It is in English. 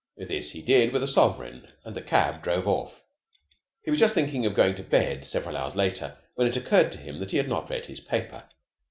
This he did with a sovereign, and the cab drove off. He was just thinking of going to bed several hours later, when it occurred to him that he had not read his paper.